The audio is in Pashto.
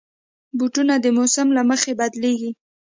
بوټونه د موسم له مخې بدلېږي.